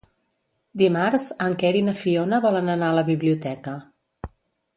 Dimarts en Quer i na Fiona volen anar a la biblioteca.